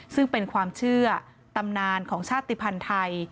ซึ่งเป็นความเชื่อตำนานของชาติภัณฑ์ไทย